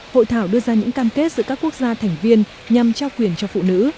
hội thảo đưa ra những cam kết giữa các quốc gia thành viên nhằm trao quyền cho phụ nữ